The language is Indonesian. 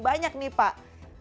banyak nih pak